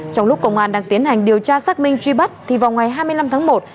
trong lúc công an đang tiến hành điều tra xác minh truy bắt thì vào ngày hai mươi năm tháng một